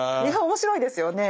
面白いですよね。